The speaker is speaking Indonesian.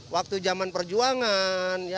waktu zaman perjuangan